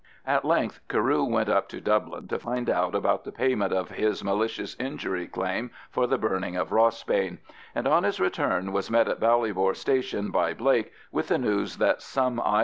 At length Carew went up to Dublin to find out about the payment of his malicious injury claim for the burning of Rossbane, and on his return was met at Ballybor Station by Blake with the news that some I.